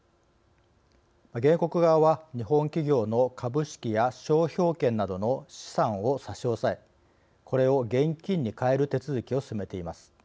原告側は、日本企業の株式や商標権などの資産を差し押さえ、これを現金に換える手続きを進めています。